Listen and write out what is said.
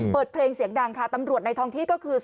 เปิดเพลงเสียงดังค่ะตำรวจในท้องที่ก็คือ